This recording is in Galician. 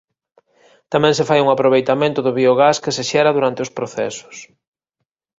Tamén se fai un aproveitamento do bio gas que se xera durante os procesos.